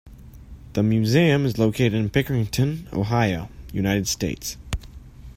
The museum is located in Pickerington, Ohio, United States.